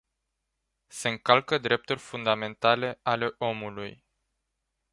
Se încalcă drepturi fundamentale ale omului.